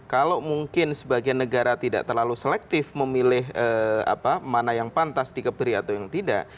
kalau mungkin sebagian negara tidak terlalu selektif memilih mana yang pantas dikebiri atau yang tidak